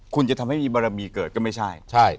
คุณจะทำให้มีบารมีเกิดก็ไม่ใช่